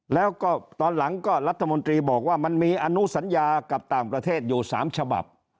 แล้วก็ตอนหลังก็รัฐมนตรีบอกว่ามันมีอนุสัญญากับต่างประเทศอยู่๓ฉบับ